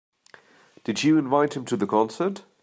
Did you invite him to the concert?